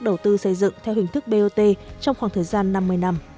đầu tư xây dựng theo hình thức bot trong khoảng thời gian năm mươi năm